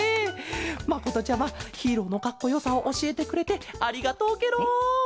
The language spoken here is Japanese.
まことちゃまヒーローのかっこよさをおしえてくれてありがとうケロ。